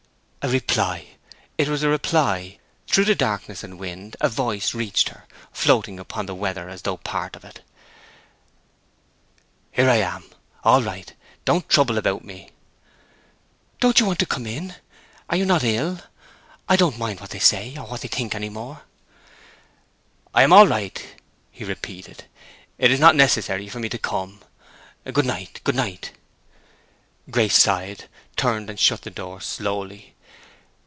A reply! It was a reply! Through the darkness and wind a voice reached her, floating upon the weather as though a part of it. "Here I am—all right. Don't trouble about me." "Don't you want to come in? Are you not wet? Come to me! I don't mind what they say, or what they think any more." "I am all right," he repeated. "It is not necessary for me to come. Good night! good night!" Grace sighed, turned and shut the door slowly.